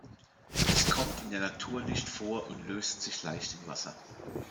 Es kommt in der Natur nicht vor und löst sich leicht in Wasser.